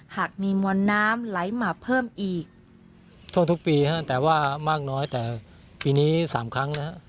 หากมีมวลน้ำไหลมาเพิ่มอีกทั่วทุกปีฮะแต่ว่ามากน้อยแต่ปีนี้สามครั้งนะฮะ